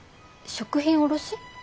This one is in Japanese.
食品卸？